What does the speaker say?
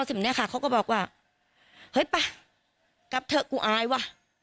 แบบนี้ค่ะเขาก็บอกว่าเฮ้ยไปกลับเถอะกูอายว่ะ